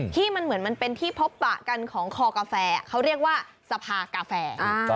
ที่มันเหมือนมันเป็นที่พบปะกันของคอกาแฟเขาเรียกว่าสภากาแฟ